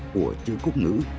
của chữ quốc ngữ